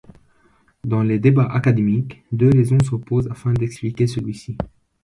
Dans les débats académiques, deux raisons s'opposent afin d'expliquer celui-ci.